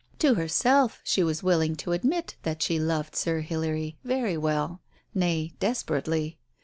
To herself, she was willing to admit that she loved Sir Hilary very well, nay, desperately.